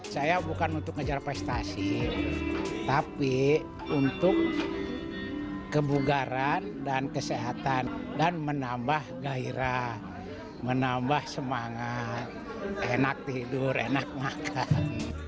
saya bukan untuk ngejar prestasi tapi untuk kebugaran dan kesehatan dan menambah gairah menambah semangat enak tidur enak makan